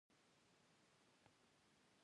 په افغانستان کې آمو سیند د هنر په اثار کې دی.